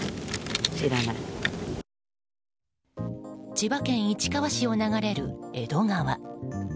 千葉県市川市を流れる江戸川。